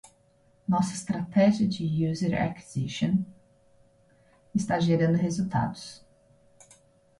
Nossa estratégia de user acquisition está gerando resultados.